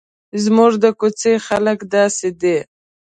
زموږ د کوڅې خلک داسې دي.